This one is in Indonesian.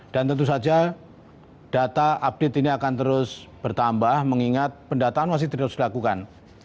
dan tentu saja data update ini akan terus bertambah mengingat pendataan masih tidak harus dilakukan